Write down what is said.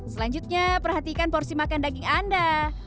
selanjutnya perhatikan porsi makan daging anda